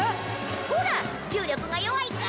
ほら重力が弱いから！